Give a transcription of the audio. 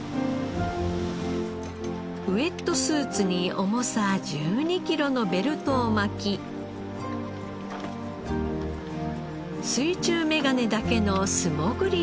ウェットスーツに重さ１２キロのベルトを巻き水中メガネだけの素潜り漁。